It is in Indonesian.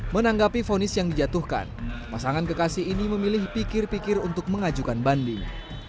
menanggapi fonis yang dijatuhkan pasangan kekasih ini memilih pikir pikir untuk mengajukan banding